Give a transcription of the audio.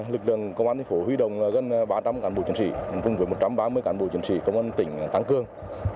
lực lượng công an thành phố huy động gần ba trăm linh cán bộ chiến sĩ cùng với một trăm ba mươi cán bộ chiến sĩ công an tỉnh tăng cương